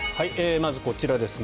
まずこちらですね。